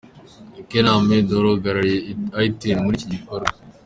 Ken Ahmed wari uhagarariye Itel muri iki gikorwa.